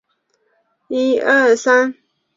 布拉萨克。